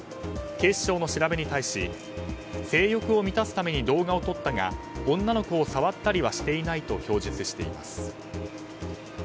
警視庁の調べに対し性欲を満たすために動画を撮ったが女の子を触ったりはしていないと供述しています。